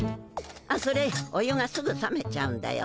あっそれお湯がすぐさめちゃうんだよ。